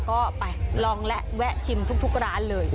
ก็ไปลองและแวะชิมทุกร้านเลย